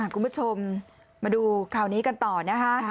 คุณผู้ชมมาดูข่าวนี้กันต่อนะคะ